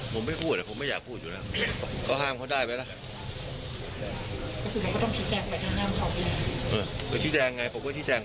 การที่ปล่อยให้คนในประเทศมาทำร้ายผมมันก็ไม่ถูกต้อง